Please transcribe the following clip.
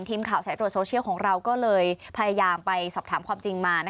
ทีมข่าวสายตรวจโซเชียลของเราก็เลยพยายามไปสอบถามความจริงมา